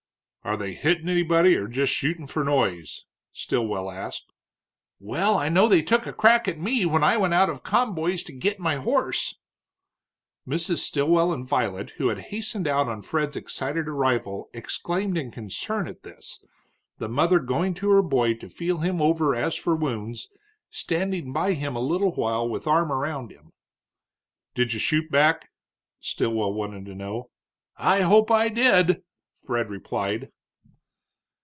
"Are they hittin' anybody, or just shootin' for noise?" Stilwell asked. "Well, I know they took a crack at me when I went out of Conboy's to git my horse." Mrs. Stilwell and Violet, who had hastened out on Fred's excited arrival, exclaimed in concern at this, the mother going to her boy to feel him over as for wounds, standing by him a little while with arm around him. "Did you shoot back?" Stilwell wanted to know. "I hope I did," Fred replied.